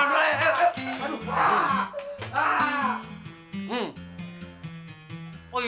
aduh aduh aduh